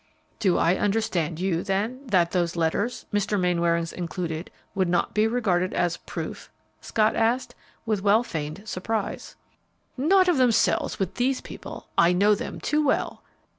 "Do I understand you, then, that those letters, Mr. Mainwaring's included, would not be regarded as proof?" Scott asked, with well feigned surprise. "Not of themselves with these people; I know them too well."